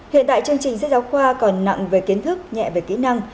hiện tại chương trình sách giáo khoa còn nặng về kiến thức nhẹ về kỹ năng